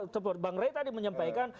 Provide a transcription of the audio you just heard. seperti bang ray tadi menyampaikan